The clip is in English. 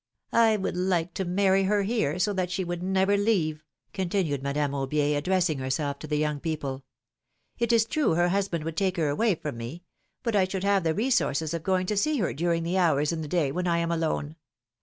would like to marry her here, so that she would never leave," continued Madame Aubier, addressing piiilomene's mareiages. 103 herself to the young people. is true her husband would take her away from me; but I should have the resource of going to see her during the hours in the day when I am alone.